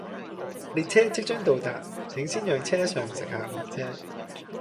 列車即將到達，請先讓車上乘客落車